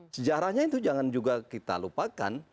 sejarahnya itu jangan juga kita lupakan